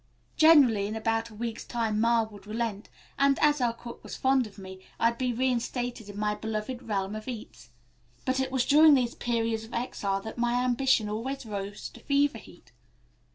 Generally in about a week's time Ma would relent, and, as our cook was fond of me, I'd be reinstated in my beloved realm of eats. But it was during these periods of exile that my ambition always rose to fever heat.